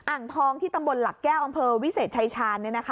อ่างทองที่ตำบลหลักแก้วอำเภอวิเศษชายชาญ